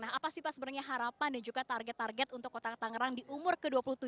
nah apa sih pak sebenarnya harapan dan juga target target untuk kota tangerang di umur ke dua puluh tujuh